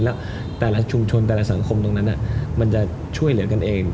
แล้วแต่ละชุมชนแต่ละสังคมตรงนั้นมันจะช่วยเหลือกันเอง